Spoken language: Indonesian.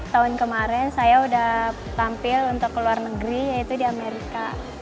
tahun kemarin saya sudah tampil untuk ke luar negeri yaitu di amerika